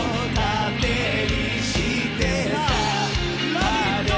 「ラヴィット！」